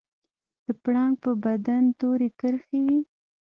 د پړانګ په بدن تورې کرښې وي